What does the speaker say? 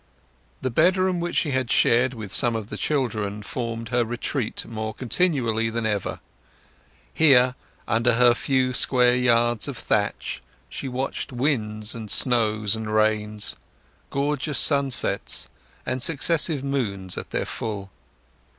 The bedroom which she shared with some of the children formed her retreat more continually than ever. Here, under her few square yards of thatch, she watched winds, and snows, and rains, gorgeous sunsets, and successive moons at their full.